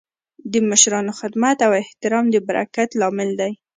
د مشرانو خدمت او احترام د برکت لامل دی.